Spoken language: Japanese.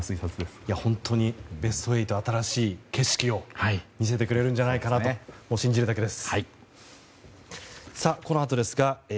ベスト８は新しい景色を見せてくれるんじゃないかなと信じるだけです。